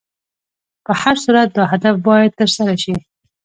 په هر صورت دا هدف باید تر سره شي.